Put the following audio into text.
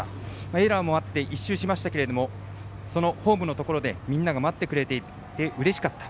エラーもあって１周しましたけどもそのホームのところでみんなが待っていてくれてうれしかった。